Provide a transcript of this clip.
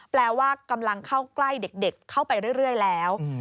แปลว่ากำลังเข้าใกล้เด็กเข้าไปเรื่อยแล้ว